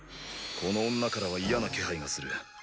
この女からは嫌な気配がする。